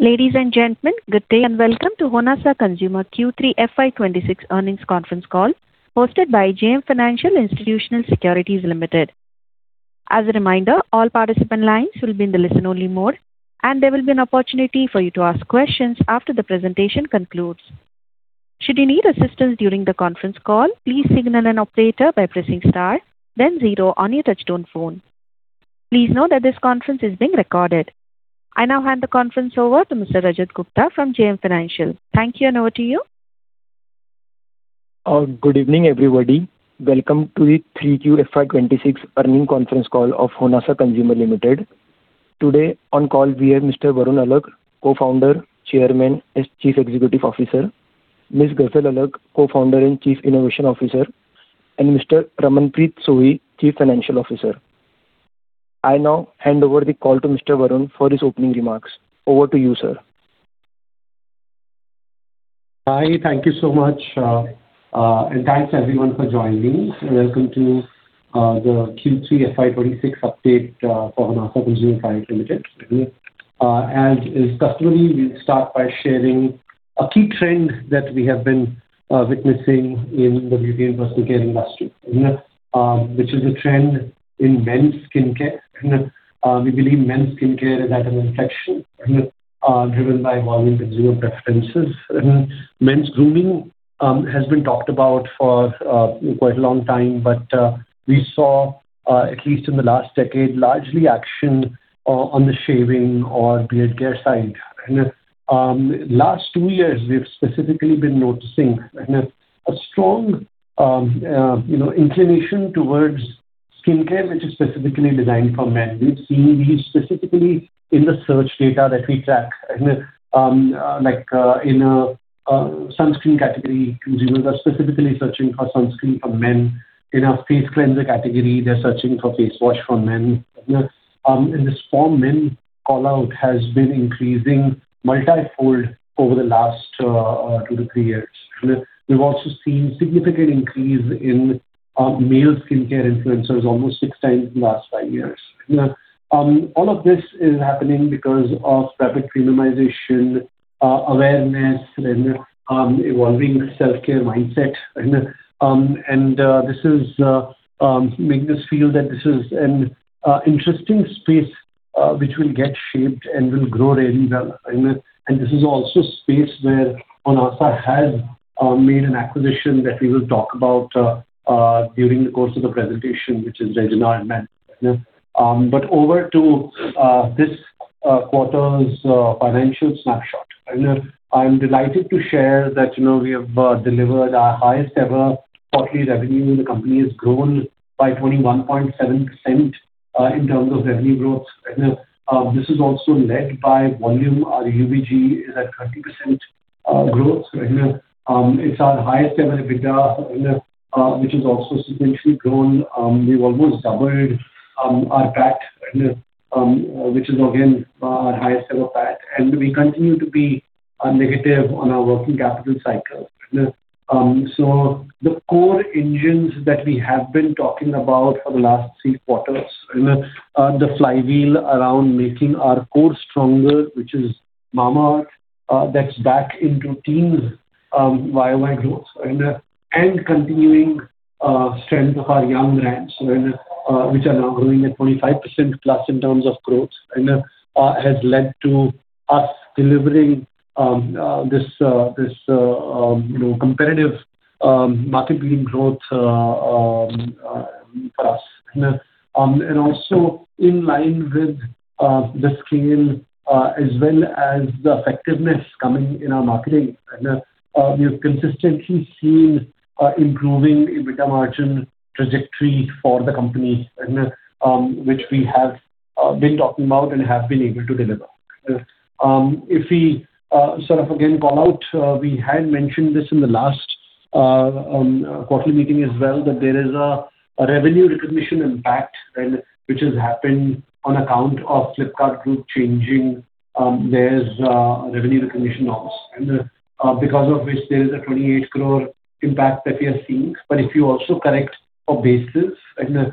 Ladies and gentlemen, good day, and welcome to Honasa Consumer Q3 FY 26 earnings conference call, hosted by JM Financial Institutional Securities Limited. As a reminder, all participant lines will be in the listen-only mode, and there will be an opportunity for you to ask questions after the presentation concludes. Should you need assistance during the conference call, please signal an operator by pressing star, then zero on your touchtone phone. Please note that this conference is being recorded. I now hand the conference over to Mr. Rajat Gupta from JM Financial. Thank you, and over to you. Good evening, everybody. Welcome to the Q3 FY 26 earnings conference call of Honasa Consumer Limited. Today, on call, we have Mr. Varun Alagh, co-founder, chairman, and Chief Executive Officer. Ms. Ghazal Alagh, co-founder and Chief Innovation Officer. And Mr. Raman Preet Sohi, Chief Financial Officer. I now hand over the call to Mr. Varun for his opening remarks. Over to you, sir. Hi, thank you so much. And thanks, everyone, for joining me. Welcome to the Q3 FY 26 update for Honasa Consumer Limited. As is customary, we'll start by sharing a key trend that we have been witnessing in the beauty and personal care industry, which is a trend in men's skincare. We believe men's skincare is at an inflection driven by evolving consumer preferences. Men's grooming has been talked about for quite a long time, but we saw at least in the last decade, largely action on the shaving or beard care side. Last two years, we've specifically been noticing a strong you know, inclination towards skincare, which is specifically designed for men. We've seen this specifically in the search data that we track. Like, in a sunscreen category, consumers are specifically searching for sunscreen for men. In our face cleanser category, they're searching for face wash for men. And this for men call-out has been increasing multifold over the last 2-3 years. And we've also seen significant increase in male skincare influencers, almost six times in the last five years. All of this is happening because of rapid premiumization, awareness and evolving self-care mindset. This is make us feel that this is an interesting space which will get shaped and will grow really well. And this is also space where Honasa has made an acquisition that we will talk about during the course of the presentation, which is Reginald Men. But over to this quarter's financial snapshot. I'm delighted to share that, you know, we have delivered our highest-ever quarterly revenue. The company has grown by 21.7% in terms of revenue growth. This is also led by volume. Our UVG is at 30% growth. It's our highest-ever EBITDA, which has also sequentially grown. We've almost doubled our PAT, which is again our highest-ever PAT, and we continue to be negative on our working capital cycle. So the core engines that we have been talking about for the last three quarters, and the flywheel around making our core stronger, which is Mamaearth, that's back in to teens, YoY growth, and continuing strength of our young brands, which are now growing at 25%+ in terms of growth, and has led to us delivering, you know, competitive market-leading growth for us. Also in line with the scale as well as the effectiveness coming in our marketing. We've consistently seen improving EBITDA margin trajectory for the company, and which we have been talking about and have been able to deliver. If we sort of again call out, we had mentioned this in the last quarterly meeting as well, that there is a revenue recognition impact, and which has happened on account of Flipkart Group changing their revenue recognition norms. And because of which, there is a 28 crore impact that we are seeing. But if you also correct for basis, and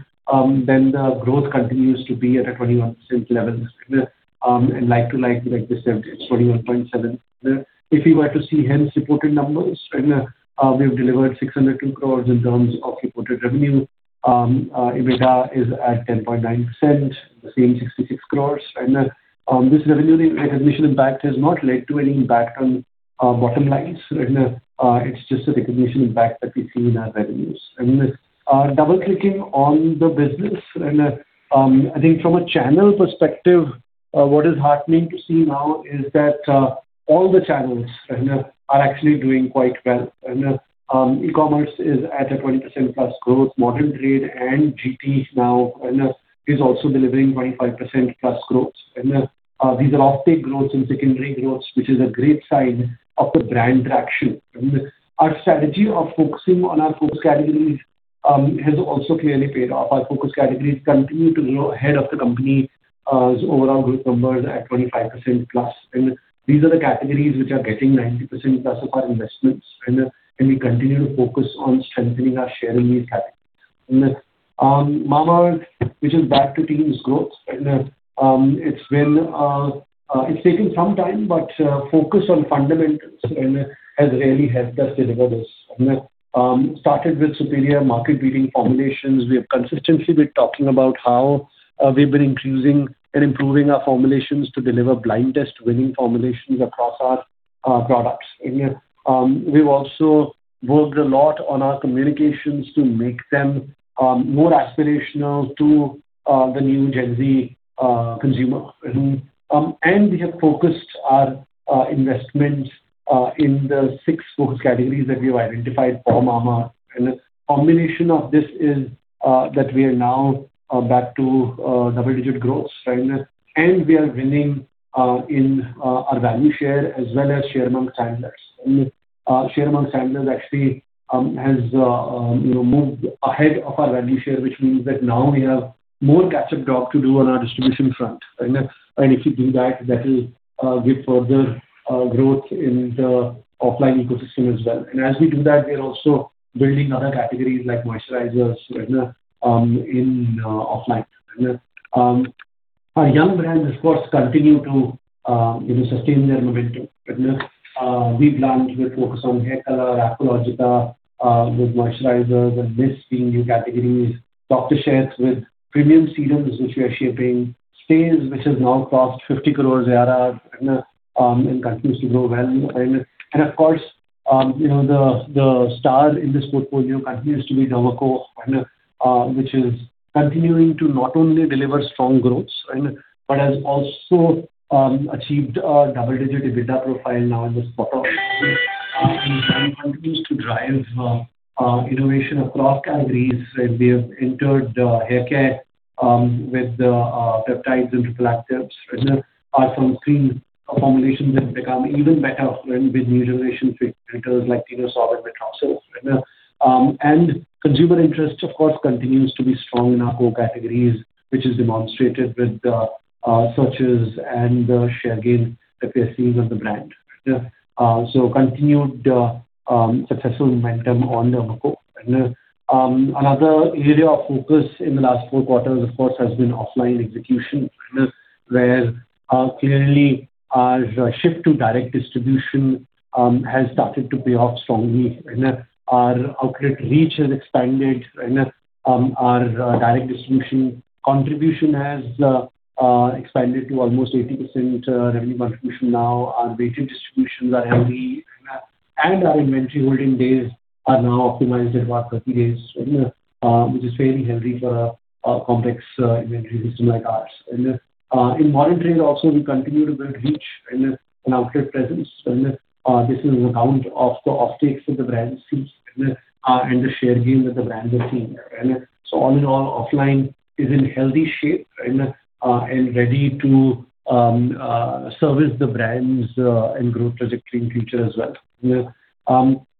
then the growth continues to be at a 21% level, and like to like, like we said, it's 21.7. If you were to see hence reported numbers, and we have delivered 602 crore in terms of reported revenue. EBITDA is at 10.9%, the same 66 crore. This revenue recognition impact has not led to any back on bottom lines, and it's just a recognition impact that we see in our revenues. Double-clicking on the business, I think from a channel perspective, what is heartening to see now is that all the channels are actually doing quite well. E-commerce is at a 20%+ growth. Modern trade and GT now is also delivering 25%+ growth. These are off-take growth and secondary growth, which is a great sign of the brand traction. Our strategy of focusing on our focus categories has also clearly paid off. Our focus categories continue to grow ahead of the company as overall growth numbers at 25%+. These are the categories which are getting 90%+ of our investments, and we continue to focus on strengthening our share in these categories. Mamaearth, which is back to teens growth, it's been, it's taken some time, but focus on fundamentals and has really helped us deliver this. Started with superior market-leading formulations. We have consistently been talking about how we've been increasing and improving our formulations to deliver blind test winning formulations across our products. We've also worked a lot on our communications to make them more aspirational to the new Gen Z consumer. And we have focused our investment in the six focus categories that we have identified for Mamaearth. The combination of this is that we are now back to double-digit growth, right? And we are winning in our value share as well as share among handlers. And share among handlers actually has moved ahead of our value share, which means that now we have more catch-up job to do on our distribution front, right? And if we do that, that will give further growth in the offline ecosystem as well. And as we do that, we are also building other categories like moisturizers in offline. Our young brands, of course, continue to you know sustain their momentum. We planned with focus on hair color, Aqualogica, with moisturizers and this being new categories. Dr. Sheth's with premium serums, which we are shaping. Staze, which has now crossed 50 crore ARR, and continues to grow well. And, of course, you know, the star in this portfolio continues to Derma Co., which is continuing to not only deliver strong growth, right, but has also achieved a double-digit EBITDA profile now in this quarter. And continues to drive innovation across categories, and we have entered the haircare with the peptides and tripeptides. Right now, our sunscreen formulations have become even better with new generation filters like, you know, Solaveil and Parsol. And consumer interest, of course, continues to be strong in our core categories, which is demonstrated with the searches and the share gain that we are seeing on the brand. So continued successful momentum on The Derma Co. Another area of focus in the last four quarters, of course, has been offline execution, where clearly our shift to direct distribution has started to pay off strongly, and our outlet reach has expanded, and our direct distribution contribution has expanded to almost 80% revenue contribution now. Our distributions are healthy, and our inventory holding days are now optimized at about 30 days, which is very healthy for a complex inventory system like ours. In modern trade also, we continue to build reach and outlet presence. This is on account of the offtakes that the brand sees, and the share gain that the brands are seeing. So all in all, offline is in healthy shape and ready to service the brands and growth trajectory in future as well.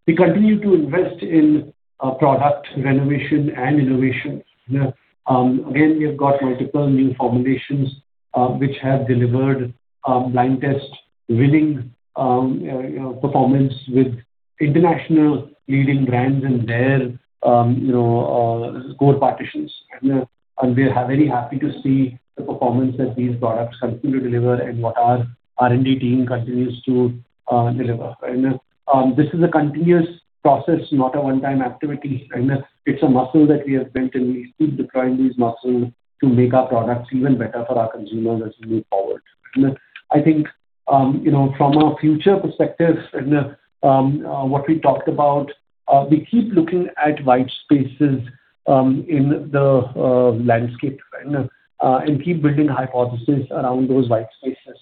We continue to invest in product renovation and innovation. Again, we have got multiple new formulations, which have delivered blind test-winning, you know, performance with international leading brands in their, you know, core partitions. And, and we are very happy to see the performance that these products continue to deliver and what our R&D team continues to deliver. And, this is a continuous process, not a one-time activity, and it's a muscle that we have built, and we keep deploying these muscles to make our products even better for our consumers as we move forward. And I think, you know, from a future perspective and, what we talked about, we keep looking at white spaces, in the landscape, and keep building hypothesis around those white spaces.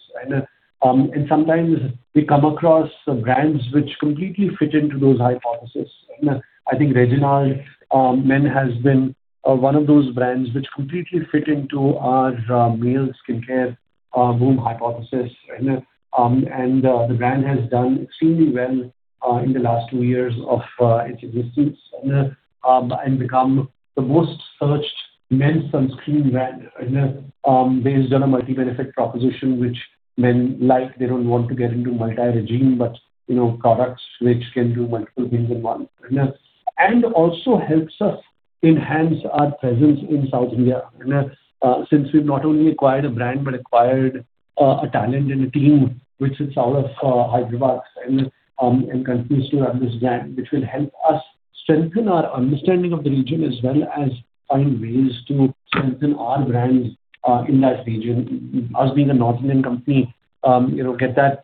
Sometimes we come across some brands which completely fit into those hypotheses. I think Reginald Men has been one of those brands which completely fit into our male skincare boom hypothesis, right? And the brand has done extremely well in the last two years of its existence and become the most searched men's sunscreen brand based on a multi-benefit proposition, which men like. They don't want to get into multi-regimen, but you know, products which can do multiple things in one. And also helps us enhance our presence in South India, since we've not only acquired a brand, but acquired a talent and a team which is out of Hyderabad, and continues to understand, which will help us strengthen our understanding of the region as well as find ways to strengthen our brands in that region. Us, being a North Indian company, you know, get that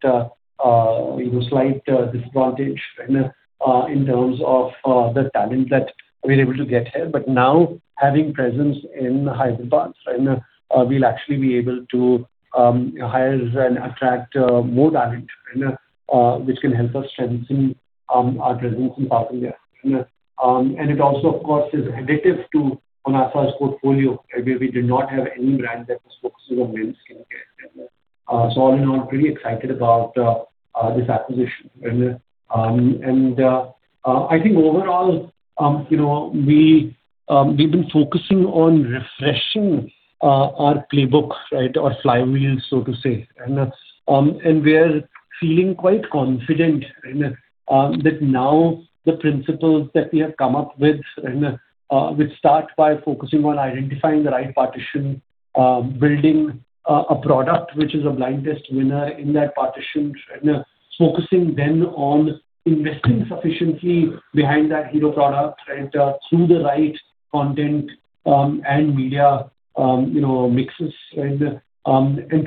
slight disadvantage in terms of the talent that we're able to get here. But now, having presence in Hyderabad, and we'll actually be able to hire and attract more talent, which can help us strengthen our presence in South India. And it also, of course, is additive to Honasa's portfolio, where we did not have any brand that was focusing on male skincare. So all in all, I'm pretty excited about this acquisition. And I think overall, you know, we've been focusing on refreshing our playbooks, right? Our flywheels, so to say. And we are feeling quite confident that now the principles that we have come up with and which start by focusing on identifying the right partition, building a product which is a Blind Test winner in that partition, right? Focusing then on investing sufficiently behind that hero product, right, through the right content and media, you know, mixes and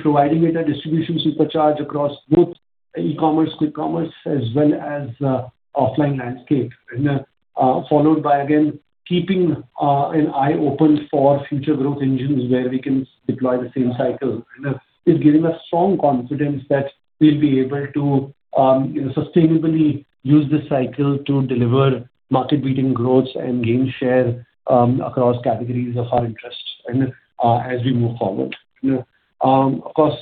providing it a distribution supercharge across both e-commerce, Quick Commerce, as well as offline landscape. And followed by, again, keeping an eye open for future growth engines where we can deploy the same cycle. It's giving us strong confidence that we'll be able to, you know, sustainably use this cycle to deliver market-leading growth and gain share across categories of our interest and as we move forward. Of course,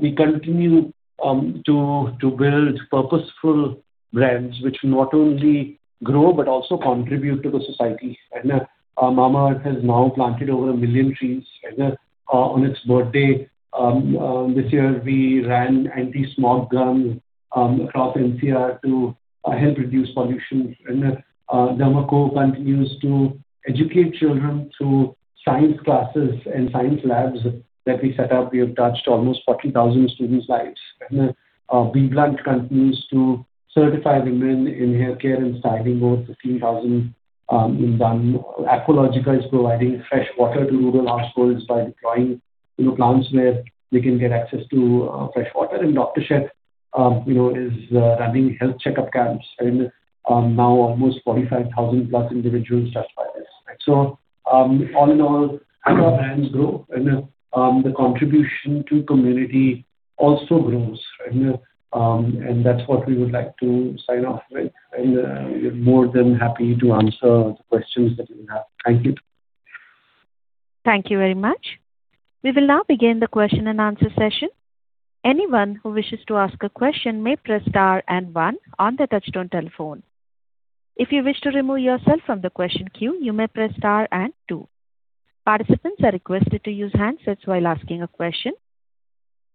we continue to build purposeful brands which not only grow, but also contribute to the society. Mamaearth has now planted over 1 million trees, and on its birthday this year, we ran anti-smog guns across NCR to help reduce Derma Co. continues to educate children through science classes and science labs that we set up. We have touched almost 40,000 students' lives. BBlunt continues to certify women in hair care and styling, over 15,000 in done. Aqualogica is providing fresh water to rural households by deploying, you know, plants where they can get access to fresh water. And Dr. Sheth, you know, is running health checkup camps, and now almost 45,000+ individuals touched by this. So, all in all, as our brands grow, and the contribution to community also grows, and that's what we would like to sign off, right? And we're more than happy to answer the questions that you have. Thank you. Thank you very much. We will now begin the question and answer session. Anyone who wishes to ask a question may press star and one on their touchtone telephone. If you wish to remove yourself from the question queue, you may press star and two. Participants are requested to use handsets while asking a question.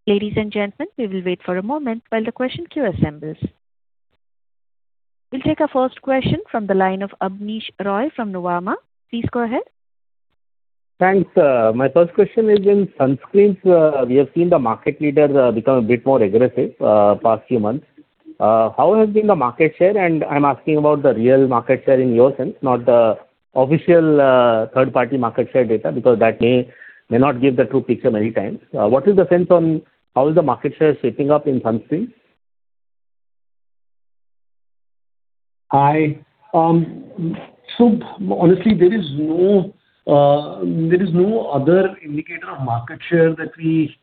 Ladies and gentlemen, we will wait for a moment while the question queue assembles. We'll take our first question from the line of Abneesh Roy from Nuvama. Please go ahead. Thanks. My first question is, in sunscreens, we have seen the market leader become a bit more aggressive past few months. How has been the market share? And I'm asking about the real market share in your sense, not the official third-party market share data, because that may not give the true picture many times. What is the sense on how is the market share shaping up in sunscreens? Hi. So honestly, there is no other indicator of market share that we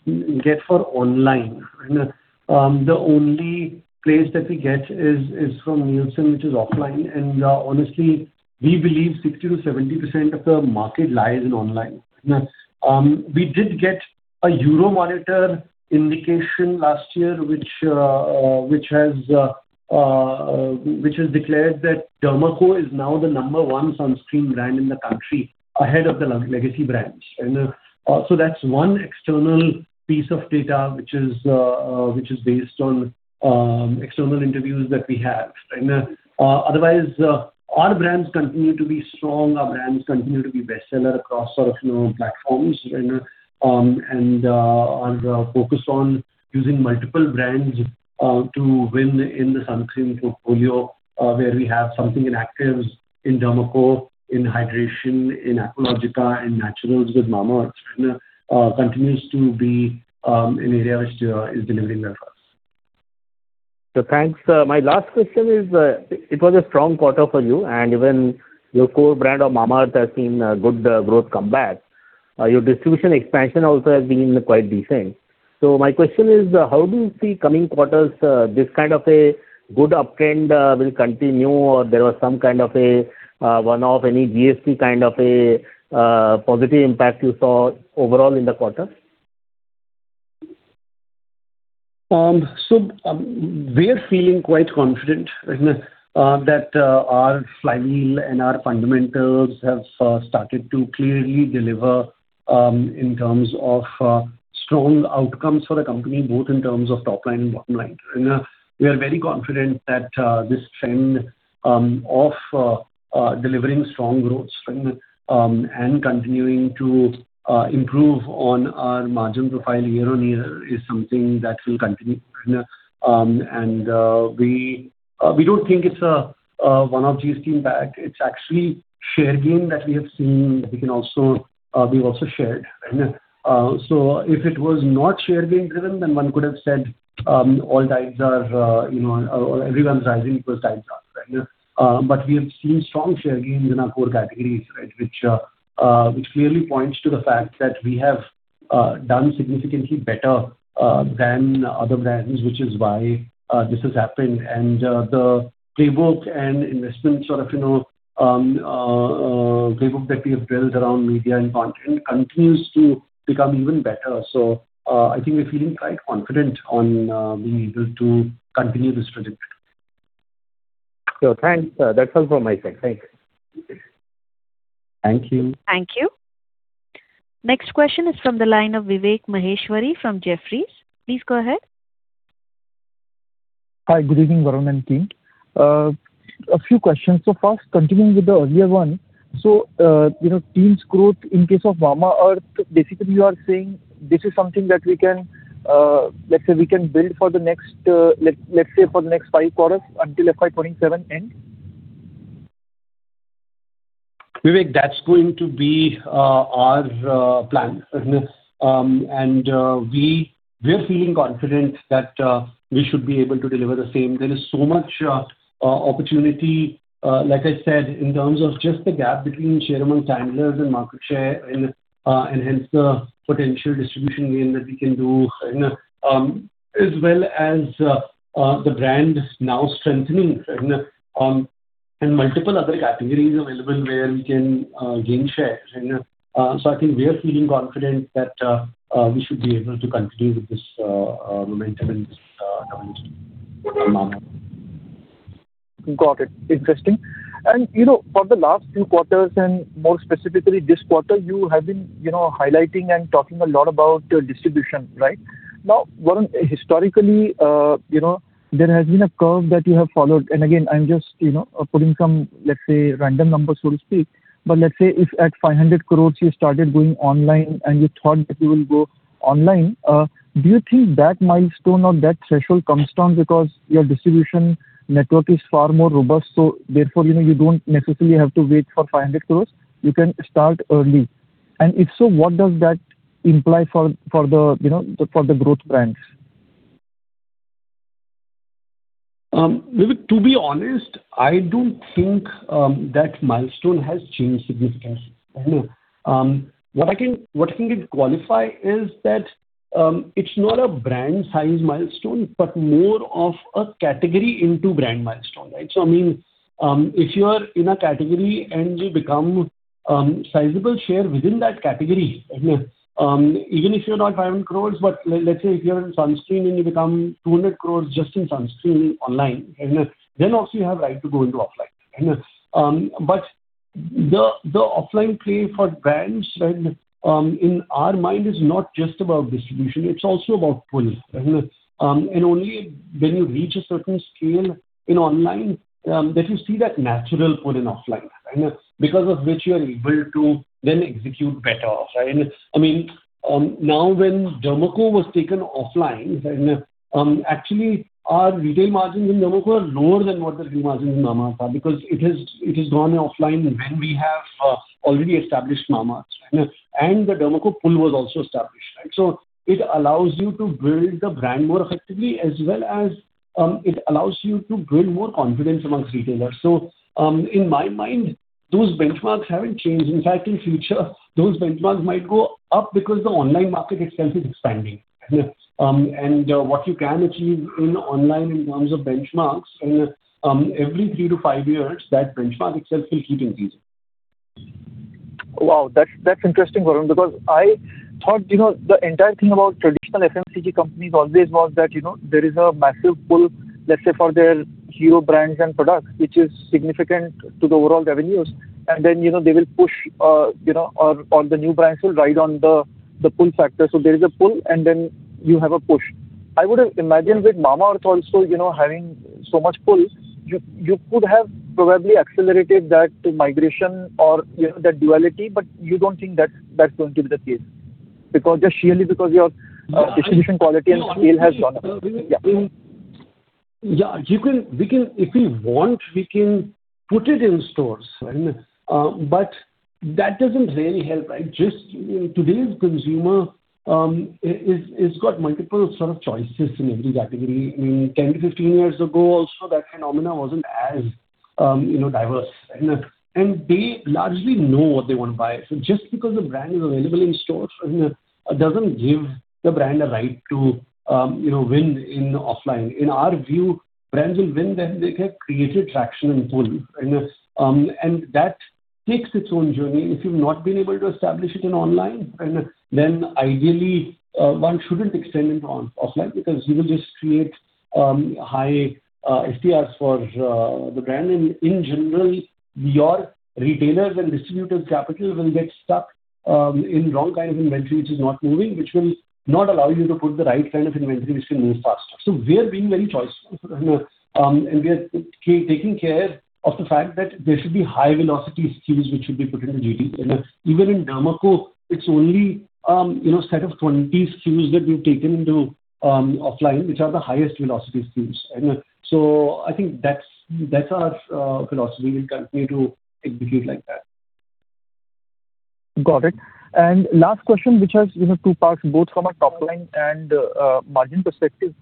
get for online. And the only place that we get is from Nielsen, which is offline. And honestly, we believe 60%-70% of the market lies in online. We did get a Euromonitor indication last year, which has declared that Derma Co. is now the number one sunscreen brand in the country, ahead of the legacy brands. And so that's one external piece of data, which is based on external interviews that we have. And otherwise, our brands continue to be strong. Our brands continue to be bestseller across sort of, you know, platforms. Our focus on using multiple brands to win in the sunscreen portfolio, where we have something in actives, in The Derma Co., in hydration, in Aqualogica, in naturals with Mamaearth, continues to be an area which is delivering well for us. So thanks. My last question is, it was a strong quarter for you, and even your core brand of Mamaearth has seen a good growth comeback. Your distribution expansion also has been quite decent. So my question is, how do you see coming quarters, this kind of a good uptrend will continue, or there was some kind of a one-off, any GST kind of a positive impact you saw overall in the quarter? So, we're feeling quite confident that our flywheel and our fundamentals have started to clearly deliver in terms of strong outcomes for the company, both in terms of top line and bottom line. And we are very confident that this trend of delivering strong growth and continuing to improve on our margin profile year-on-year is something that will continue. And we don't think it's a one-off GST impact. It's actually share gain that we have seen. We've also shared. So if it was not share gain driven, then one could have said all tides are, you know, everyone's rising because tides are rising. But we have seen strong share gains in our core categories, right? Which clearly points to the fact that we have done significantly better than other brands, which is why this has happened. And the playbook that we have built around media and content continues to become even better. So, I think we're feeling quite confident on being able to continue this trajectory. Thanks. That's all from my side. Thanks. Thank you. Thank you. Next question is from the line of Vivek Maheshwari from Jefferies. Please go ahead.... Hi, good evening, Varun and team. A few questions. So first, continuing with the earlier one, so, you know, team's growth in case of Mamaearth, basically, you are saying this is something that we can, let's say, we can build for the next, let's say, for the next five quarters until FY 2027 ends? Vivek, that's going to be our plan. And we're feeling confident that we should be able to deliver the same. There is so much opportunity, like I said, in terms of just the gap between share among handlers and market share and hence the potential distribution gain that we can do. As well as the brand now strengthening, right? And multiple other categories available where we can gain share. And so I think we are feeling confident that we should be able to continue with this momentum and. Got it. Interesting. You know, for the last few quarters, and more specifically this quarter, you have been, you know, highlighting and talking a lot about distribution, right? Now, Varun, historically, you know, there has been a curve that you have followed, and again, I'm just, you know, putting some, let's say, random numbers, so to speak. But let's say, if at 500 crore you started going online, and you thought that you will go online, do you think that milestone or that threshold comes down because your distribution network is far more robust, so therefore, you know, you don't necessarily have to wait for 500 crore, you can start early? And if so, what does that imply for the growth brands? Vivek, to be honest, I don't think that milestone has changed significantly. What I can qualify is that, it's not a brand size milestone, but more of a category into brand milestone, right? So, I mean, if you are in a category and you become sizable share within that category, even if you're not 500 crore, but let's say, if you're in sunscreen and you become 200 crore just in sunscreen online, then also you have right to go into offline. But the offline play for brands, right, in our mind is not just about distribution, it's also about pull. And only when you reach a certain scale in online, that you see that natural pull in offline, because of which you are able to then execute better off, right? I mean, now, Derma Co. was taken offline, actually our retail margins Derma Co. are lower than what the retail margins in Mamaearth are, because it has, it has gone offline when we have, already established Mamaearth. And Derma Co. pull was also established, right? So it allows you to build the brand more effectively, as well as, it allows you to build more confidence among retailers. So, in my mind, those benchmarks haven't changed. In fact, in future, those benchmarks might go up because the online market itself is expanding. And, what you can achieve in online in terms of benchmarks, every three to five years, that benchmark itself will keep increasing. Wow! That's interesting, Varun, because I thought, you know, the entire thing about traditional FMCG companies always was that, you know, there is a massive pull, let's say, for their hero brands and products, which is significant to the overall revenues, and then, you know, they will push, or the new brands will ride on the pull factor. So there is a pull, and then you have a push. I would have imagined with Mamaearth also, you know, having so much pull, you could have probably accelerated that migration or, you know, that duality, but you don't think that's going to be the case, because just purely because your distribution quality and scale has gone up. Yeah. Yeah, you can, we can. If we want, we can put it in stores, right? But that doesn't really help, right? Just today's consumer is got multiple sort of choices in every category. I mean, 10-15 years ago also, that phenomena wasn't as, you know, diverse, and they largely know what they want to buy. So just because the brand is available in stores doesn't give the brand a right to, you know, win in offline. In our view, brands will win when they have created traction and pull, and that takes its own journey. If you've not been able to establish it in online, then ideally, one shouldn't extend it on offline, because you will just create high SDRs for the brand. In general, your retailers and distributors' capital will get stuck in wrong kind of inventory, which is not moving, which will not allow you to put the right kind of inventory which can move faster. So we are being very choosy, and we are taking care of the fact that there should be high velocity SKUs which should be put in the GT. Even Derma Co., it's only, you know, set of 20 SKUs that we've taken into offline, which are the highest velocity SKUs. So I think that's our philosophy. We'll continue to execute like that. Got it. And last question, which has, you know, two parts, both from a top line and margin perspective.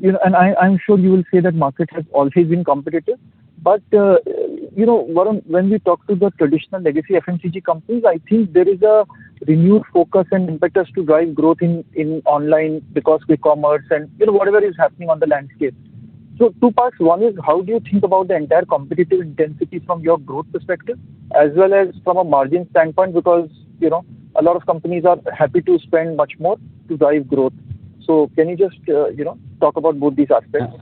You know, and I, I'm sure you will say that market has always been competitive, but, you know, Varun, when we talk to the traditional legacy FMCG companies, I think there is a renewed focus and impetus to drive growth in online because e-commerce and, you know, whatever is happening on the landscape. So two parts. One is: How do you think about the entire competitive intensity from your growth perspective as well as from a margin standpoint? Because, you know, a lot of companies are happy to spend much more to drive growth. So can you just, you know, talk about both these aspects?...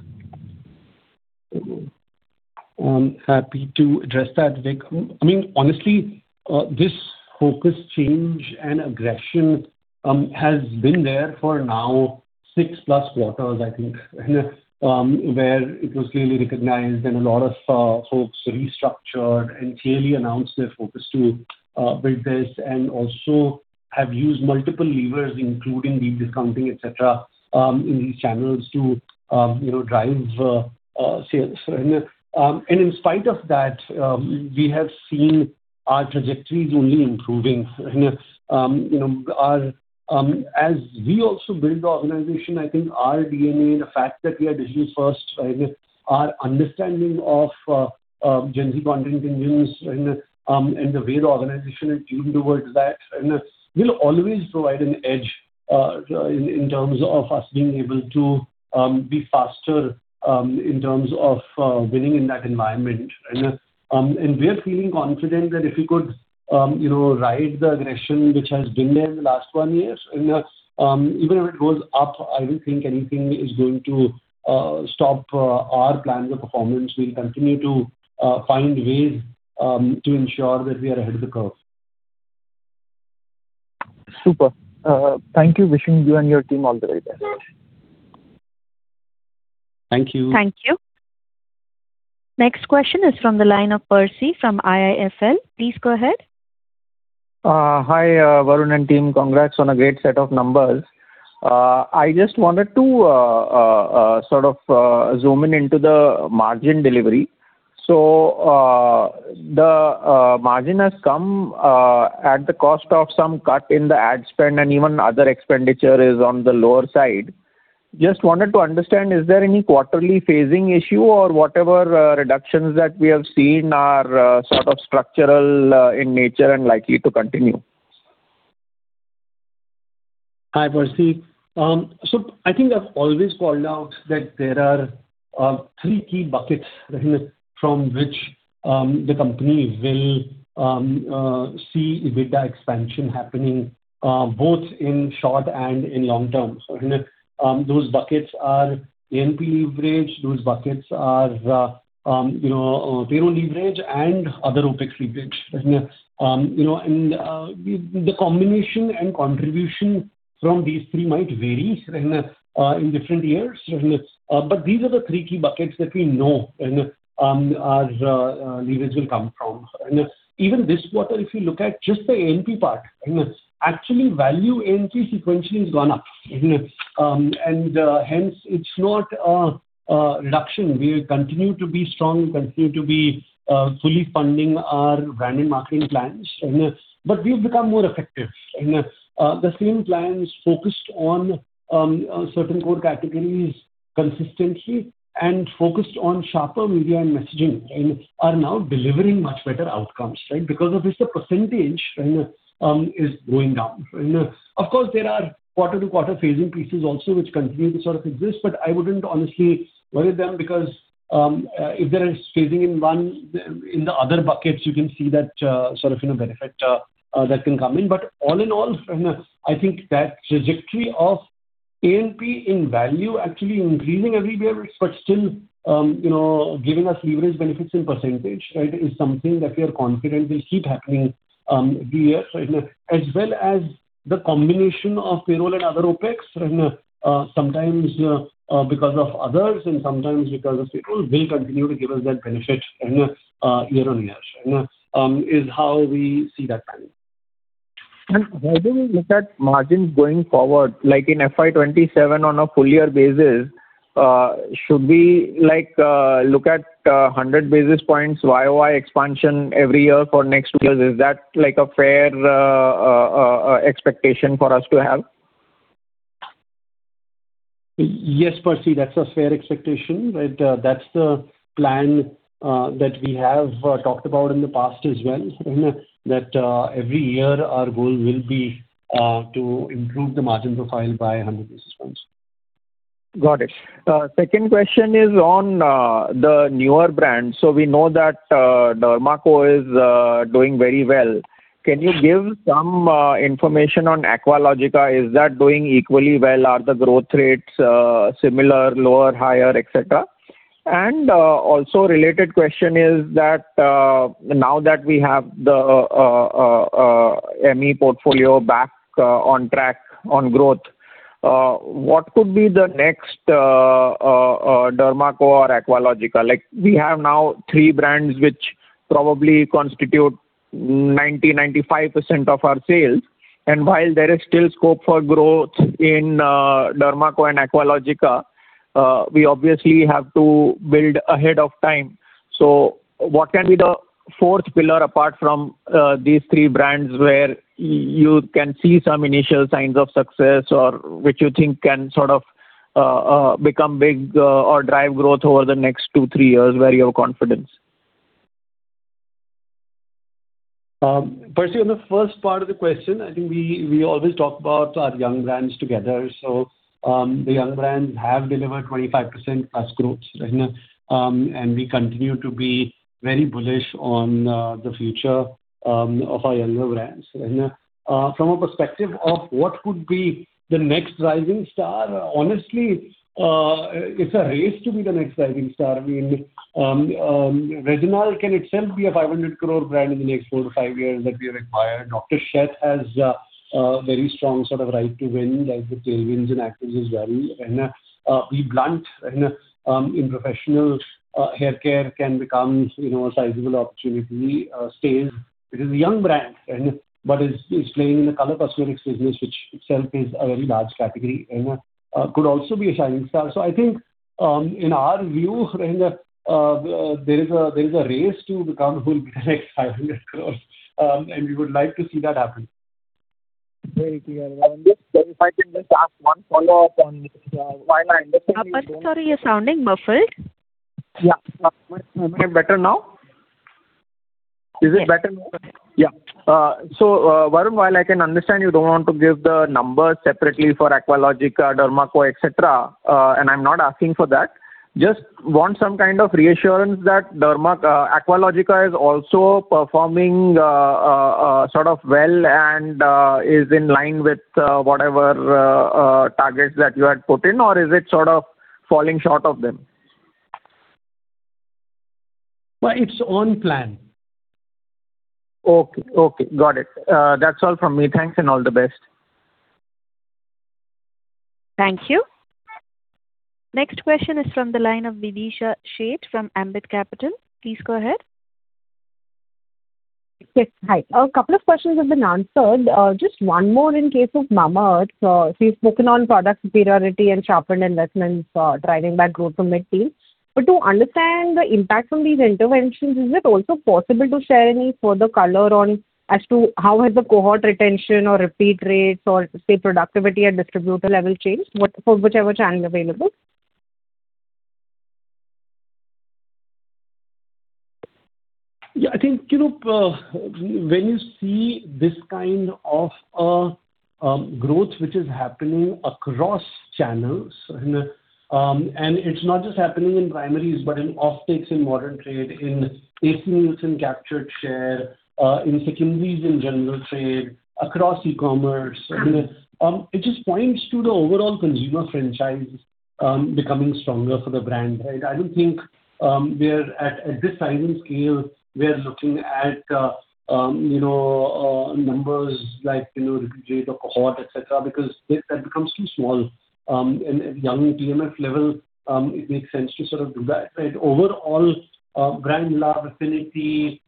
Happy to address that, Vik. I mean, honestly, this focus change and aggression has been there for now 6+ quarters, I think, where it was clearly recognized and a lot of folks restructured and clearly announced their focus to build this, and also have used multiple levers, including deep discounting, et cetera, in these channels to, you know, drive sales. And in spite of that, we have seen our trajectories only improving. You know, as we also build the organization, I think our DNA, the fact that we are digital-first, right, our understanding of Gen Z content and news, and the way the organization is tuned towards that, and will always provide an edge in terms of us being able to be faster in terms of winning in that environment. And we are feeling confident that if we could you know ride the aggression which has been there in the last one year, and even if it goes up, I don't think anything is going to stop our plans or performance. We'll continue to find ways to ensure that we are ahead of the curve. Super. Thank you. Wishing you and your team all the very best. Thank you. Thank you. Next question is from the line of Percy from IIFL. Please go ahead. Hi, Varun and team. Congrats on a great set of numbers. I just wanted to sort of zoom in into the margin delivery. So, the margin has come at the cost of some cut in the ad spend, and even other expenditure is on the lower side. Just wanted to understand, is there any quarterly phasing issue, or whatever reductions that we have seen are sort of structural in nature and likely to continue? Hi, Percy. So I think I've always called out that there are three key buckets from which the company will see EBITDA expansion happening both in short and in long term. So those buckets are ANP leverage, those buckets are you know, payroll leverage and other OpEx leverage. You know, and the combination and contribution from these three might vary in different years but these are the three key buckets that we know and our leverage will come from. And even this quarter, if you look at just the ANP part, actually, value ANP sequentially has gone up. And hence it's not a reduction. We will continue to be strong and continue to be fully funding our brand and marketing plans, but we've become more effective. The same plans focused on certain core categories consistently and focused on sharper media and messaging, and are now delivering much better outcomes, right? Because of this, the percentage is going down. Of course, there are quarter-to-quarter phasing pieces also, which continue to sort of exist, but I wouldn't honestly worry them, because if there is phasing in one, in the other buckets, you can see that sort of, you know, benefit that can come in. But all in all, I think that trajectory of ANP in value actually increasing every year, but still, you know, giving us leverage benefits in percentage, right, is something that we are confident will keep happening every year. As well as the combination of payroll and other OpEx, sometimes, because of others and sometimes because of people, will continue to give us that benefit, year on year. Is how we see that trend. How do we look at margins going forward? Like in FY 27 on a full year basis, should we like look at 100 basis points YoY expansion every year for next two years? Is that like a fair expectation for us to have? Yes, Percy, that's a fair expectation, right. That's the plan that we have talked about in the past as well, that every year our goal will be to improve the margin profile by 100 basis points. Got it. Second question is on the newer brands. So we know Derma Co. is doing very well. Can you give some information on Aqualogica? Is that doing equally well? Are the growth rates similar, lower, higher, et cetera? And also related question is that now that we have the ME portfolio back on track on growth, what could be the Derma Co. or Aqualogica? Like, we have now three brands which probably constitute 90%-95% of our sales, and while there is still scope for growth Derma Co. and Aqualogica, we obviously have to build ahead of time. So what can be the fourth pillar apart from these three brands, where you can see some initial signs of success or which you think can sort of become big or drive growth over the next two, three years, where you have confidence?... Firstly, on the first part of the question, I think we always talk about our young brands together. So, the young brands have delivered 25%+ growth, right? And we continue to be very bullish on the future of our younger brands. And, from a perspective of what could be the next rising star, honestly, it's a race to be the next rising star. I mean, Reginald can itself be a 500 crore brand in the next 4-5 years that we have acquired. Dr. Sheth has a very strong sort of right to win, like the tailwinds in actives as well. And, BBlunt in professional haircare can become, you know, a sizable opportunity, Staze. It is a young brand, and what is playing in the color cosmetics business, which itself is a very large category, and could also be a shining star. So I think, in our view, right, there is a, there is a race to become the next 500 crore, and we would like to see that happen. Very clear. Just if I can just ask one follow-up on, while I- Sorry, you're sounding muffled. Yeah. Am I better now? Is it better now? Yeah. So, Varun, while I can understand, you don't want to give the numbers separately for Derma Co., et cetera, and I'm not asking for that. Just want some kind of reassurance that Aqualogica is also performing sort of well and is in line with whatever targets that you had put in, or is it sort of falling short of them? Well, it's on plan. Okay, okay. Got it. That's all from me. Thanks, and all the best. Thank you. Next question is from the line of Vidisha Sheth from Ambit Capital. Please go ahead. Yes. Hi. A couple of questions have been answered. Just one more in case of Mamaearth. So we've spoken on product superiority and sharpened investments, driving back growth from mid-teen. But to understand the impact from these interventions, is it also possible to share any further color on as to how has the cohort retention or repeat rates or, say, productivity at distributor level changed, what—for whichever channel available? Yeah, I think, you know, when you see this kind of growth which is happening across channels, and it's not just happening in primaries, but in off takes, in modern trade, in A.C. Nielsen captured share, in secondaries, in general trade, across e-commerce. It just points to the overall consumer franchise, becoming stronger for the brand, right? I don't think, we are at this time and scale, we are looking at, you know, numbers like repeat rate or cohort, et cetera, because that becomes too small. At young PMF level, it makes sense to sort of do that, right? Overall, brand love, affinity,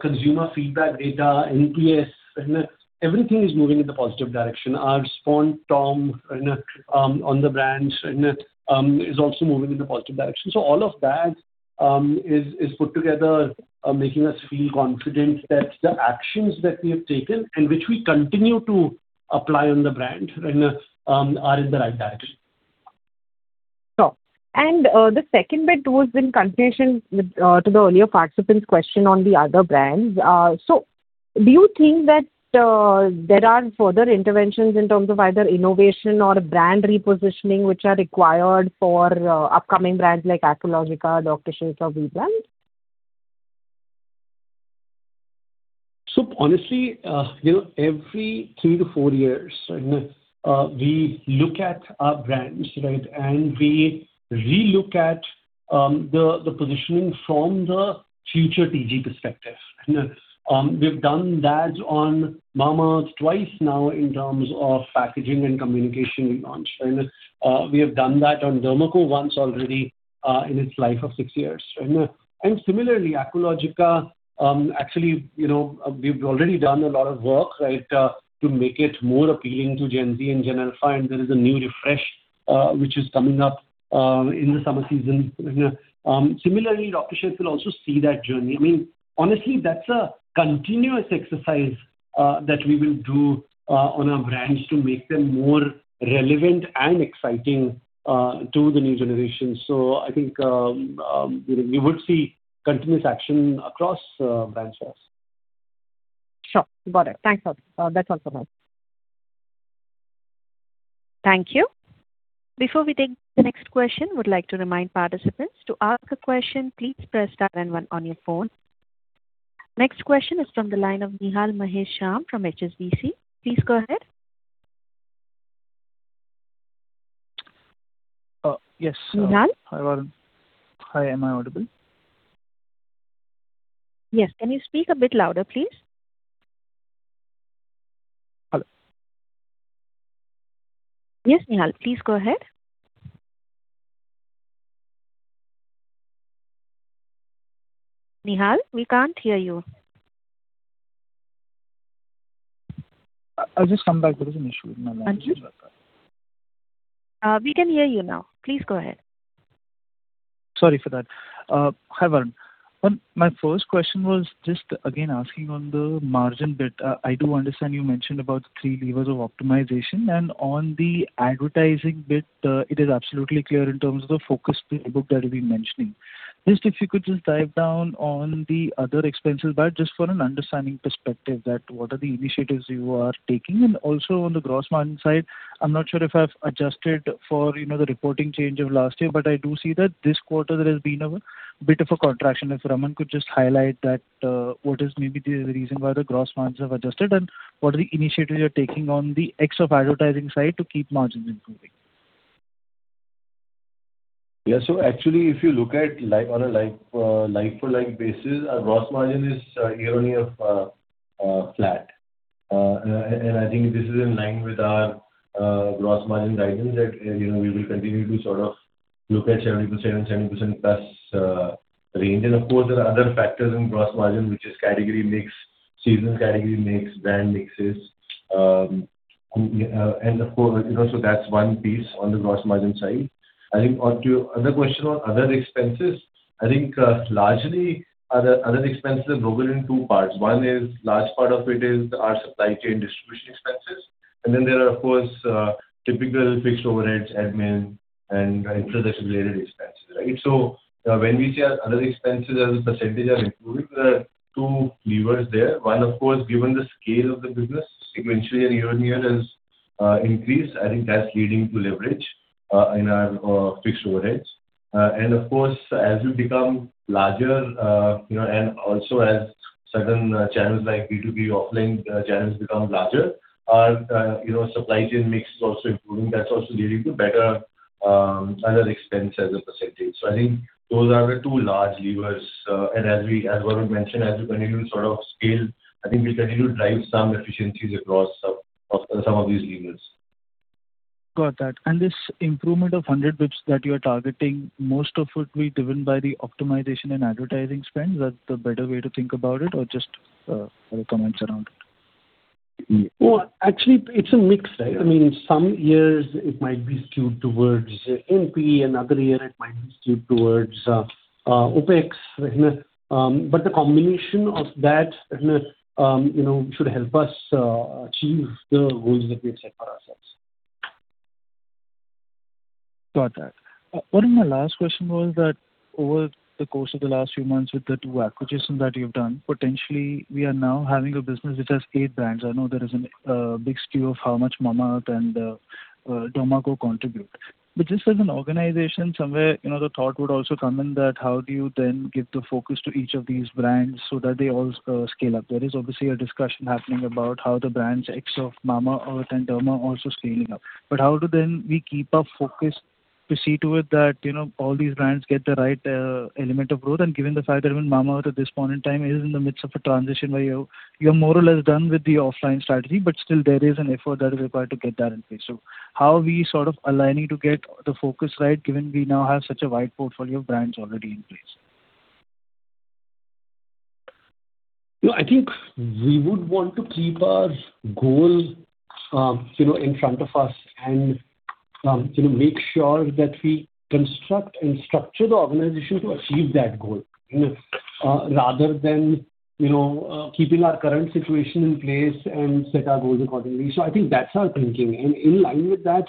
consumer feedback, data, NPS, everything is moving in the positive direction. Our on the brands is also moving in the positive direction. All of that is put together, making us feel confident that the actions that we have taken and which we continue to apply on the brand are in the right direction. Sure. The second bit was in continuation with to the earlier participant's question on the other brands. So do you think that there are further interventions in terms of either innovation or brand repositioning, which are required for upcoming brands like Aqualogica, Dr. Sheth's or VBrand? So honestly, you know, every three to four years, we look at our brands, right? And we relook at the positioning from the future TG perspective. We've done that on Mamaearth twice now in terms of packaging and communication relaunch. And we have done that Derma Co. once already in its life of six years. And similarly, Aqualogica, actually, you know, we've already done a lot of work, right, to make it more appealing to Gen Z in general, and there is a new refresh which is coming up in the summer season. Similarly, Dr. Sheth's will also see that journey. I mean, honestly, that's a continuous exercise that we will do on our brands to make them more relevant and exciting to the new generation. So I think, you know, we would see continuous action across brand shares. Sure. Got it. Thanks a lot. That's all for now. Thank you. Before we take the next question, I would like to remind participants to ask a question, please press star and one on your phone. Next question is from the line of Nihal Mahesh Jham from HSBC. Please go ahead. Uh, yes. Nihal? Hi, Varun. Hi, am I audible? Yes. Can you speak a bit louder, please? Hello. Yes, Nihal, please go ahead. Nihal, we can't hear you. I'll just come back. There is an issue with my line. We can hear you now. Please go ahead. Sorry for that. Hi, Varun. My first question was just again asking on the margin bit. I do understand you mentioned about three levers of optimization, and on the advertising bit, it is absolutely clear in terms of the focus playbook that you've been mentioning. Just if you could just dive down on the other expenses, but just for an understanding perspective, that what are the initiatives you are taking? And also on the gross margin side, I'm not sure if I've adjusted for, you know, the reporting change of last year, but I do see that this quarter there has been a bit of a contraction. If Raman could just highlight that, what is maybe the reason why the gross margins have adjusted, and what are the initiatives you're taking on the X of advertising side to keep margins improving? Yeah. So actually, if you look at like, on a like, like-for-like basis, our gross margin is, year-on-year, flat. And I think this is in line with our, gross margin guidance, that, you know, we will continue to sort of look at 70%-77%+ range. And of course, there are other factors in gross margin, which is category mix, seasonal category mix, brand mixes, and of course, you know, so that's one piece on the gross margin side. I think on to other question on other expenses, I think, largely other expenses are broken in two parts. One is large part of it is our supply chain distribution expenses, and then there are, of course, typical fixed overheads, admin, and infrastructure-related expenses, right? So when we say our other expenses as a percentage are improving, there are two levers there. One, of course, given the scale of the business sequentially and year-on-year has increased. I think that's leading to leverage in our fixed overheads. And of course, as we become larger, you know, and also as certain channels like B2B offline channels become larger, our you know, supply chain mix is also improving. That's also leading to better other expense as a percentage. So I think those are the two large levers. And as we, as Varun mentioned, as we continue to sort of scale, I think we continue to drive some efficiencies across some, of some of these levers. Got that. And this improvement of 100 basis points that you are targeting, most of it will be driven by the optimization and advertising spend. Is that the better way to think about it, or just other comments around it? Well, actually, it's a mix, right? I mean, some years it might be skewed towards NP, and other year it might be skewed towards OpEx. But the combination of that, you know, should help us achieve the goals that we have set for ourselves. Got that. Varun, my last question was that over the course of the last few months, with the two acquisitions that you've done, potentially we are now having a business which has eight brands. I know there is a big skew of how much Mamaearth Derma Co. contribute. But just as an organization, somewhere, you know, the thought would also come in that how do you then give the focus to each of these brands so that they all scale up? There is obviously a discussion happening about how the brands X of Mamaearth and Derma also scaling up. But how do then we keep our focus to see to it that, you know, all these brands get the right element of growth? Given the fact that even Mamaearth, at this point in time, is in the midst of a transition where you, you're more or less done with the offline strategy, but still there is an effort that is required to get that in place. So how are we sort of aligning to get the focus right, given we now have such a wide portfolio of brands already in place? No, I think we would want to keep our goal, you know, in front of us and, you know, make sure that we construct and structure the organization to achieve that goal, rather than, you know, keeping our current situation in place and set our goals accordingly. So I think that's our thinking. In line with that,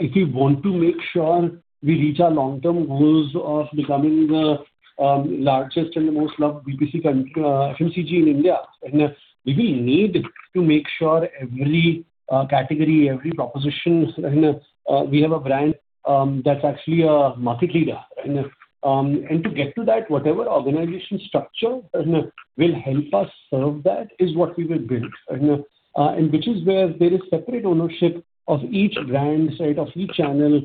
if we want to make sure we reach our long-term goals of becoming the largest and the most loved D2C consumer FMCG in India, and we will need to make sure every category, every proposition, and we have a brand that's actually a market leader, right? And to get to that, whatever organization structure and will help us serve that, is what we will build. And which is where there is separate ownership of each brand, right, of each channel,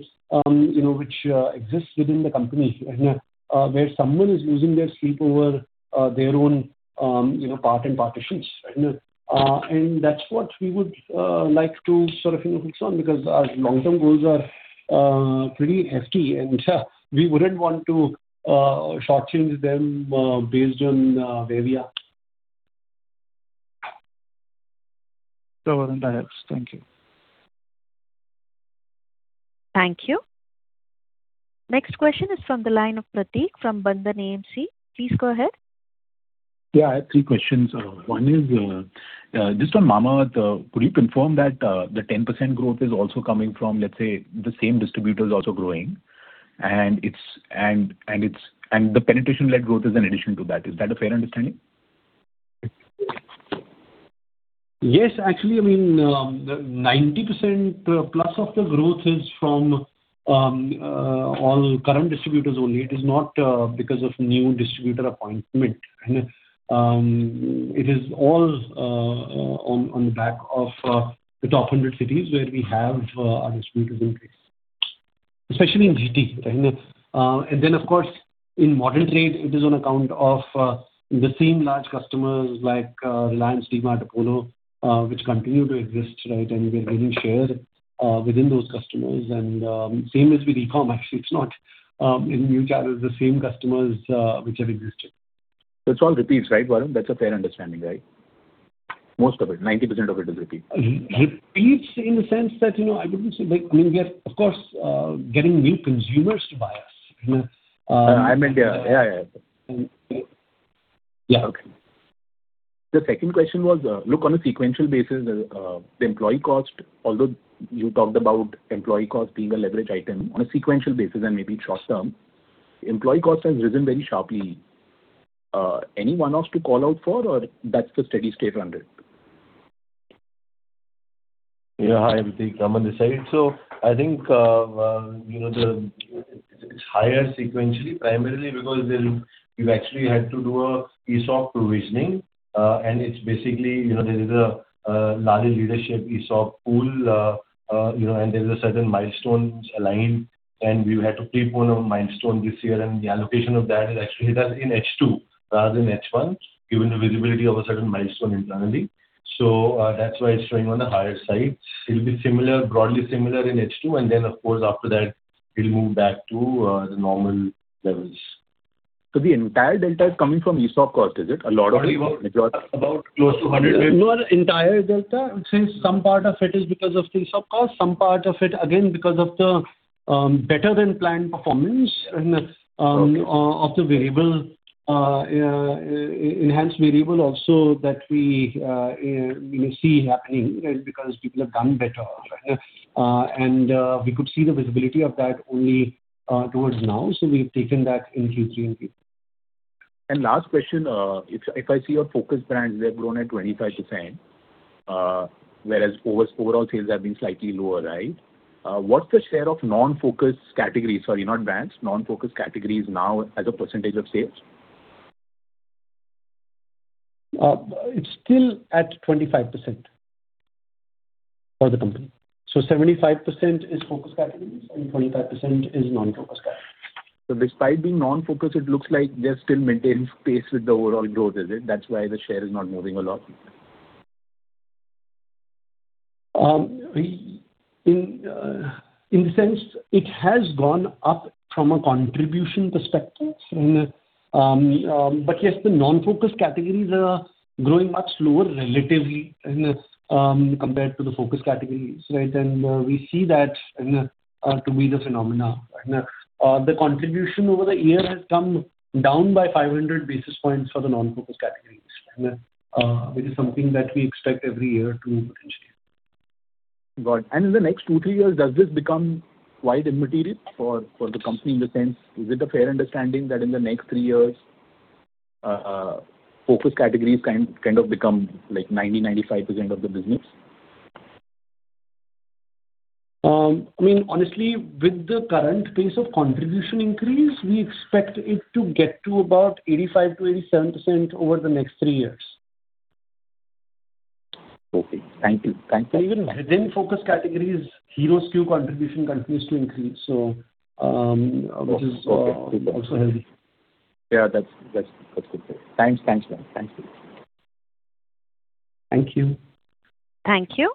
you know, which exists within the company, where someone is losing their sleep over their own, you know, part and partitions. And that's what we would like to sort of, you know, focus on, because our long-term goals are pretty hefty, and we wouldn't want to shortchange them based on where we are. That was it, thank you. Thank you. Next question is from the line of Prateek from Bandhan AMC. Please go ahead. Yeah, I have three questions. One is, just on Mamaearth, could you confirm that, the 10% growth is also coming from, let's say, the same distributors also growing? And it's the penetration-led growth is an addition to that. Is that a fair understanding? Yes. Actually, I mean, 90%+ of the growth is from all current distributors only. It is not because of new distributor appointment. And it is all on, on the back of the top 100 cities where we have our distributors increase, especially in GT. And then, of course, in modern trade, it is on account of the same large customers like Reliance, DMart, Apollo, which continue to exist, right, and we are gaining share within those customers. And same is with e-commerce. It's not in new channels, the same customers which have existed. It's all repeats, right, Varun? That's a fair understanding, right?... most of it, 90% of it is repeat. Repeats in the sense that, you know, I wouldn't say, like, I mean, we are, of course, getting new consumers to buy us, you know- I meant, yeah. Yeah, yeah. Yeah, okay. The second question was, look, on a sequential basis, the employee cost, although you talked about employee cost being a leverage item, on a sequential basis and maybe short term, employee cost has risen very sharply. Any one-offs to call out for, or that's the steady state on it? Yeah, hi, I'm Raman Sohi. So I think, you know, it's higher sequentially, primarily because then you actually had to do a ESOP provisioning. It's basically, you know, there is a large leadership ESOP pool, you know, and there's certain milestones aligned, and we've had to prep on a milestone this year, and the allocation of that is actually done in H2 rather than H1, given the visibility of a certain milestone internally. So, that's why it's showing on the higher side. It'll be similar, broadly similar in H2, and then, of course, after that, it'll move back to the normal levels. So the entire delta is coming from ESOP cost, is it? A lot of- About close to 100- No, entire delta. I would say some part of it is because of the ESOP cost, some part of it, again, because of the better-than-planned performance and of the variable enhanced variable also that we see happening, right, because people have done better. And we could see the visibility of that only towards now, so we've taken that in. Last question, if I see your focus brands, they've grown at 25%, whereas overall sales have been slightly lower, right? What's the share of non-focus categories, sorry, not brands, non-focus categories now as a percentage of sales? It's still at 25% for the company. So 75% is focus categories, and 25% is non-focus categories. So despite being non-focus, it looks like they're still maintaining pace with the overall growth, is it? That's why the share is not moving a lot. We, in the sense it has gone up from a contribution perspective. But yes, the non-focus categories are growing much slower relatively, and compared to the focus categories, right? We see that to be the phenomena. The contribution over the year has come down by 500 basis points for the non-focus categories, which is something that we expect every year to potentially. Got it. And in the next 2-3 years, does this become widely immaterial for the company, in the sense, is it a fair understanding that in the next three years, focus categories can kind of become like 90%-95% of the business? I mean, honestly, with the current pace of contribution increase, we expect it to get to about 85%-87% over the next three years. Okay. Thank you. Thank you. Even within focus categories, hero SKU contribution continues to increase, so which is also helping. Yeah, that's good. Thanks. Thanks, man. Thanks. Thank you. Thank you.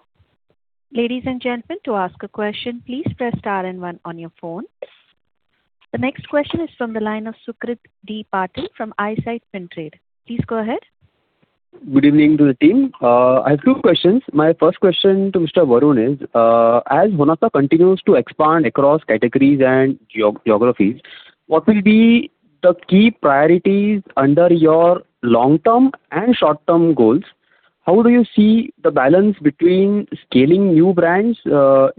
Ladies and gentlemen, to ask a question, please press star and one on your phone. The next question is from the line of Sukrit D. Patil from Eyesight Fintrade. Please go ahead. Good evening to the team. I have two questions. My first question to Mr. Varun is, as Honasa continues to expand across categories and geo-geographies, what will be the key priorities under your long-term and short-term goals? How do you see the balance between scaling new brands,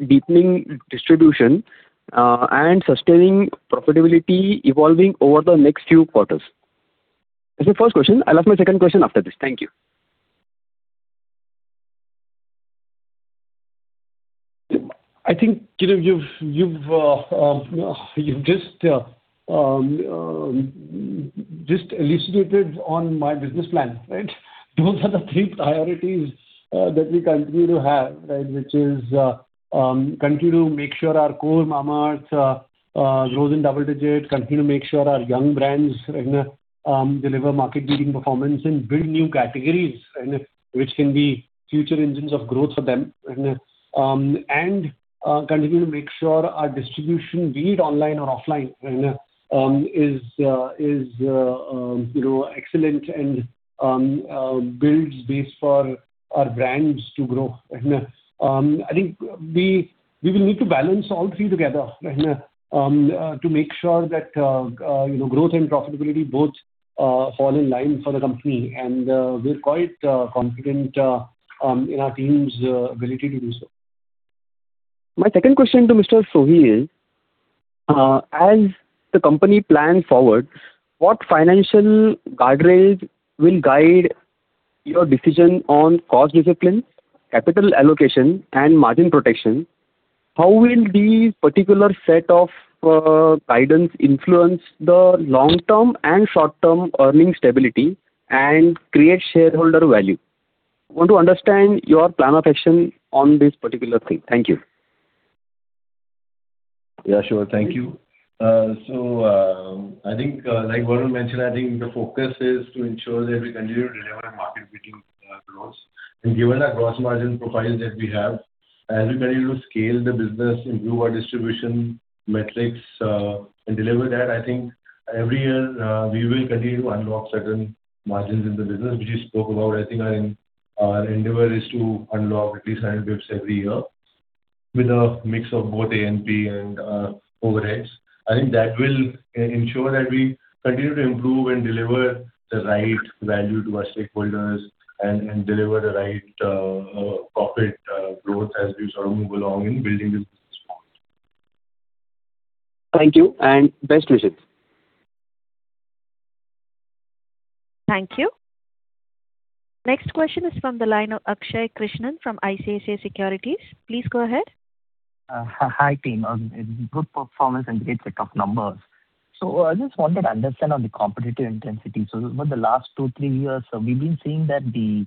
deepening distribution, and sustaining profitability evolving over the next few quarters? That's my first question. I'll ask my second question after this. Thank you. I think, you know, you've just elucidated on my business plan, right? Those are the three priorities that we continue to have, right, which is continue to make sure our core Mamaearth grows in double digits, continue to make sure our young brands deliver market-leading performance and build new categories, and which can be future engines of growth for them, and continue to make sure our distribution, be it online or offline, is you know, excellent and builds base for our brands to grow. I think we will need to balance all three together to make sure that you know, growth and profitability both fall in line for the company, and we're quite confident in our team's ability to do so. My second question to Mr. Sohi is, as the company plans forward, what financial guardrails will guide your decision on cost discipline, capital allocation, and margin protection? How will the particular set of guidance influence the long-term and short-term earning stability and create shareholder value? I want to understand your plan of action on this particular thing. Thank you. Yeah, sure. Thank you. So, I think, like Varun mentioned, I think the focus is to ensure that we continue to deliver a market-leading, growth. And given our gross margin profile that we have, as we continue to scale the business, improve our distribution metrics, and deliver that, I think every year, we will continue to unlock certain margins in the business, which you spoke about. I think our endeavor is to unlock at least nine basis points every year with a mix of both ANP and overheads. I think that will ensure that we continue to improve and deliver the right value to our stakeholders and deliver the right profit growth as we sort of move along in building this business model. Thank you, and best wishes. Thank you. Next question is from the line of Akshay Krishnan from ICICI Securities. Please go ahead. Hi, team. Good performance and great set of numbers. So I just wanted to understand on the competitive intensity. So over the last two, three years, we've been seeing that the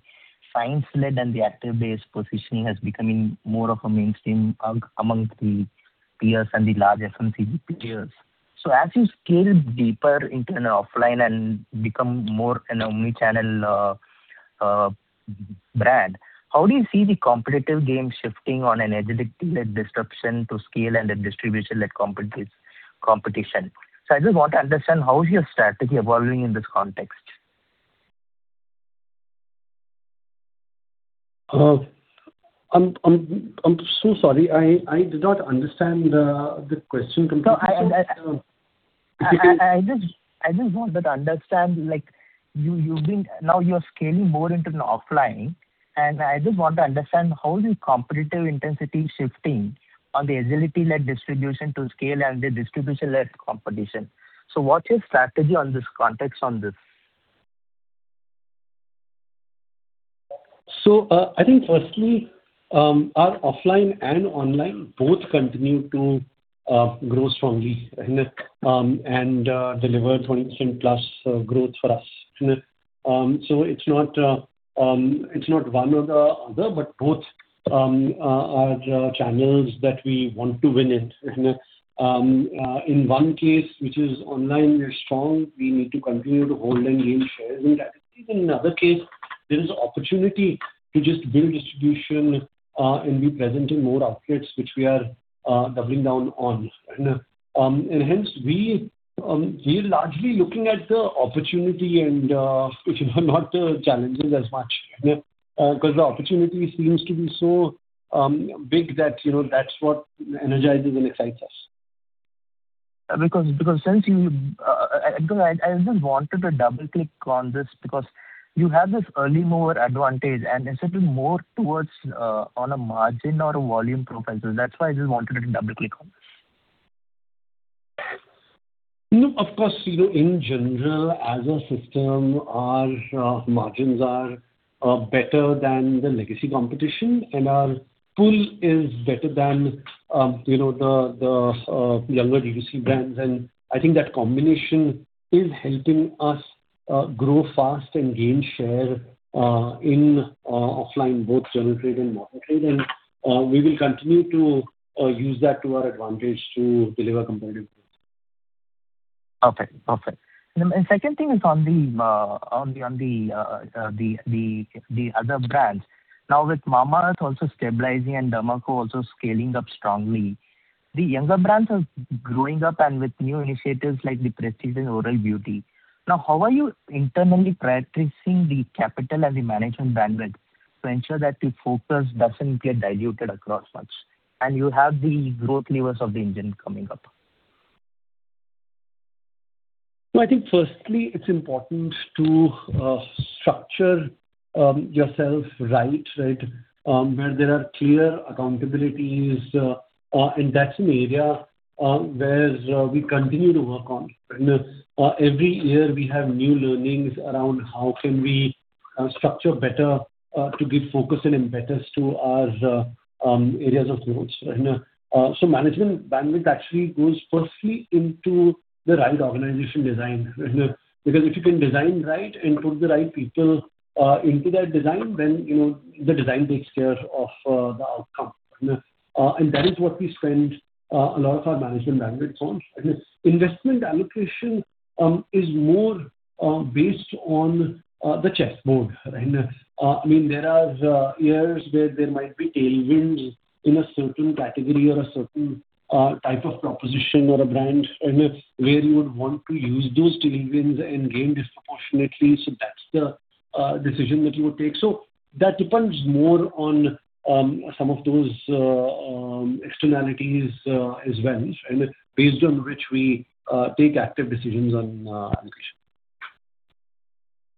science-led and the active-based positioning has becoming more of a mainstream, among the peers and the large FMCG peers. So as you scale deeper into an offline and become more an omni-channel, brand, how do you see the competitive game shifting on an agility-led disruption to scale and the distribution-led competition? So I just want to understand, how is your strategy evolving in this context? I'm so sorry, I did not understand the question completely. If you can. I just want to understand, like, you've been... Now you're scaling more into the offline, and I just want to understand how is your competitive intensity shifting on the agility-led distribution to scale and the distribution-led competition. So what's your strategy on this context on this? So, I think firstly, our offline and online both continue to grow strongly and deliver 20%+ growth for us. So it's not one or the other, but both are channels that we want to win in. In one case, which is online, we're strong. We need to continue to hold and gain shares in that. In another case, there is opportunity to just build distribution and be present in more outlets, which we are doubling down on. And hence we are largely looking at the opportunity and not the challenges as much. Because the opportunity seems to be so big that, you know, that's what energizes and excites us. Because since you, I just wanted to double-click on this, because you have this early mover advantage, and is it more towards on a margin or a volume profile? So that's why I just wanted to double-click on this. No, of course. You know, in general, as a system, our margins are better than the legacy competition, and our pool is better than you know, the younger DTC brands. And I think that combination is helping us grow fast and gain share in offline, both general trade and modern trade. And we will continue to use that to our advantage to deliver competitive edge. Perfect. Perfect. And second thing is on the other brands. Now, with Mamaearth also The Derma Co. also scaling up strongly, the younger brands are growing up and with new initiatives like the prestige and oral beauty. Now, how are you internally prioritizing the capital and the management bandwidth to ensure that the focus doesn't get diluted across much, and you have the growth levers of the engine coming up? I think firstly, it's important to structure yourself right, right? Where there are clear accountabilities, and that's an area where we continue to work on. Every year we have new learnings around how can we structure better to give focus and impetus to our areas of growth. So management bandwidth actually goes firstly into the right organization design. Because if you can design right and put the right people into that design, then, you know, the design takes care of the outcome. And that is what we spend a lot of our management bandwidth on. Investment allocation is more based on the chessboard, right? I mean, there are years where there might be tailwinds in a certain category or a certain type of proposition or a brand, and that's where you would want to use those tailwinds and gain disproportionately. So that's the decision that you would take. So that depends more on some of those externalities, as well, and based on which we take active decisions on allocation.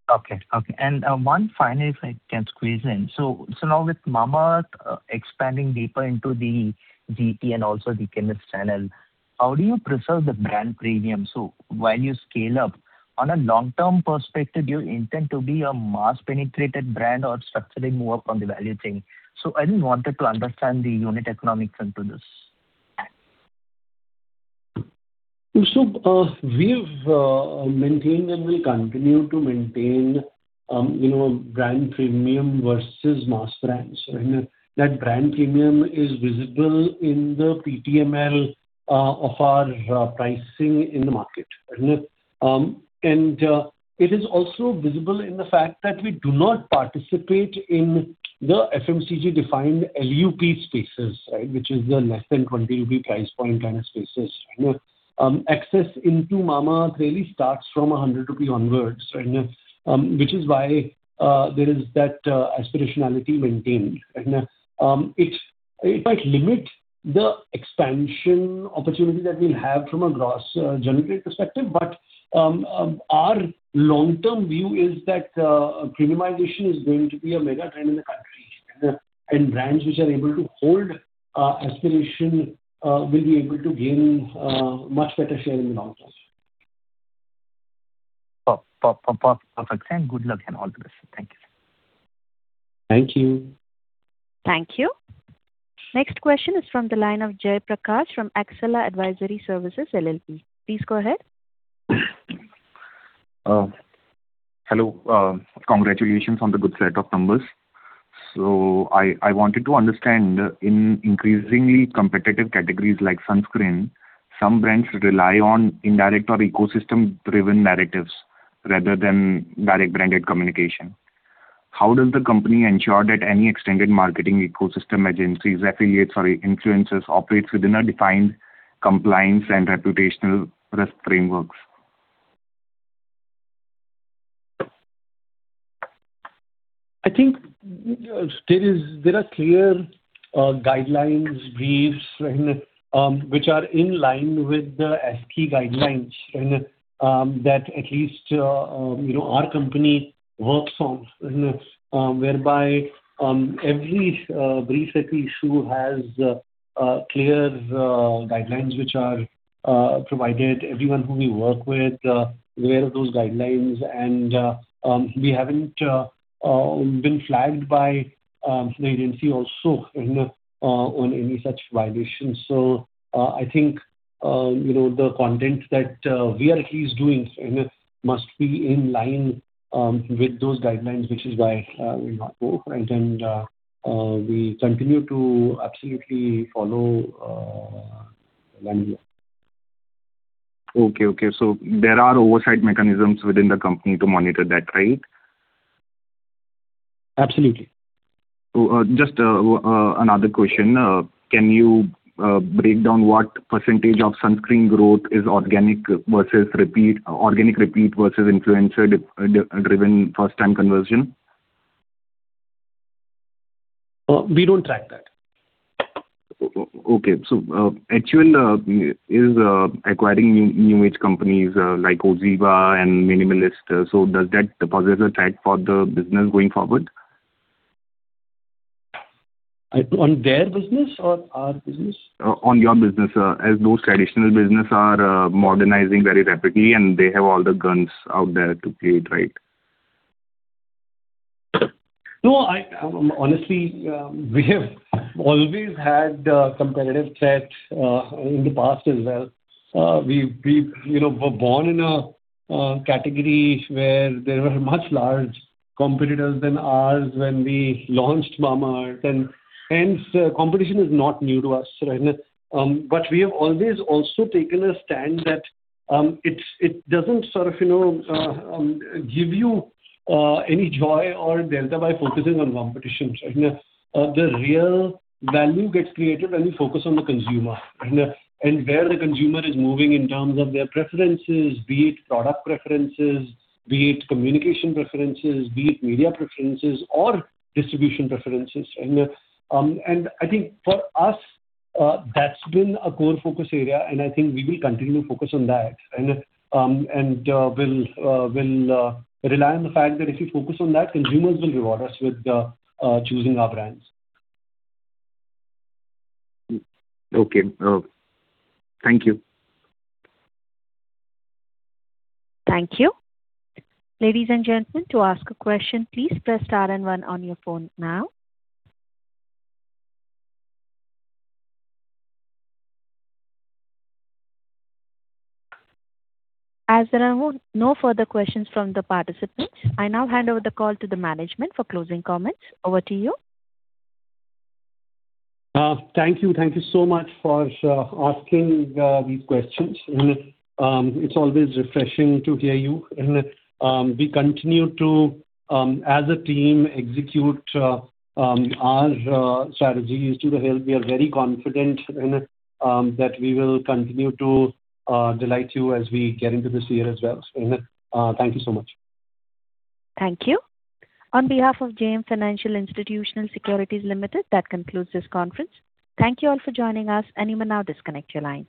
Okay. Okay, and, one final, if I can squeeze in. So, so now with Mamaearth, expanding deeper into the GT and also the chemist channel, how do you preserve the brand premium? So while you scale up, on a long-term perspective, do you intend to be a mass-penetrated brand or structurally move up on the value chain? So I just wanted to understand the unit economics into this. So, we've maintained and we continue to maintain, you know, brand premium versus mass brands, right? That brand premium is visible in the PTML of our pricing in the market. And, it is also visible in the fact that we do not participate in the FMCG-defined LUP spaces, right? Which is the less than 20 rupee price point kind of spaces. Access into Mamaearth really starts from 100 rupees onwards, which is why, there is that aspirationality maintained. It might limit the expansion opportunity that we'll have from a gross generate perspective, but, our long-term view is that, premiumization is going to be a mega trend in the country, and brands which are able to hold, aspiration, will be able to gain, much better share in the long term. Perfect, and good luck and all the best. Thank you, sir. Thank you. Thank you. Next question is from the line of Jay Prakash from Axela Advisory Services, LLP. Please go ahead. Hello. Congratulations on the good set of numbers. So I wanted to understand, in increasingly competitive categories like sunscreen, some brands rely on indirect or ecosystem-driven narratives rather than direct branded communication. How does the company ensure that any extended marketing ecosystem, agencies, affiliates, or influencers, operates within a defined compliance and reputational risk frameworks? I think there are clear guidelines, briefs, which are in line with the FT guidelines, that at least, you know, our company works on, whereby every brief that we issue has clear guidelines which are provided. Everyone who we work with is aware of those guidelines, and we haven't been flagged by the agency also in on any such violations. So, I think, you know, the content that VRL is doing must be in line with those guidelines, which is why we are both right, and we continue to absolutely follow them, yeah. Okay, okay. So there are oversight mechanisms within the company to monitor that, right? Absolutely. Just another question. Can you break down what percentage of sunscreen growth is organic versus repeat organic repeat versus influencer-driven first-time conversion? We don't track that. Okay. So, HUL is acquiring new age companies like Oziva and Minimalist. So does that pose a threat for the business going forward? On their business or our business? On your business, as those traditional business are modernizing very rapidly, and they have all the guns out there to play, right? No, I, honestly, we have always had, competitive threats, in the past as well. We've, we've, you know, were born in a, category where there were much large competitors than ours when we launched Mamaearth. And hence, competition is not new to us, right? But we have always also taken a stand that, it's, it doesn't sort of, you know, give you, any joy or delta by focusing on competition, right? The real value gets created when you focus on the consumer, and, and where the consumer is moving in terms of their preferences, be it product preferences, be it communication preferences, be it media preferences or distribution preferences. And, and I think for us, that's been a core focus area, and I think we will continue to focus on that. We'll rely on the fact that if we focus on that, consumers will reward us with choosing our brands. Okay. Thank you. Thank you. Ladies and gentlemen, to ask a question, please press star and one on your phone now. As there are no further questions from the participants, I now hand over the call to the management for closing comments. Over to you. Thank you. Thank you so much for asking these questions. And it's always refreshing to hear you, and we continue to, as a team, execute our strategies to the hilt. We are very confident that we will continue to delight you as we get into this year as well. So thank you so much. Thank you. On behalf of JM Financial Institutional Securities Limited, that concludes this conference. Thank you all for joining us, and you may now disconnect your lines.